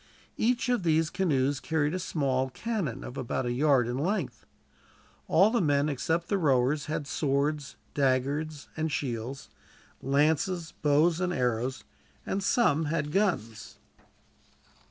Each of these canoes carried a small cannon, of about a yard in length. All the men, except the rowers, had swords, daggers, and shields, lances, bows, and arrows, and some had guns.